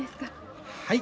はい。